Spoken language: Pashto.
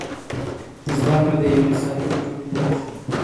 زده کړه د یوې سالمې ټولنې نښه ده.